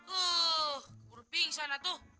uh berubing sana tuh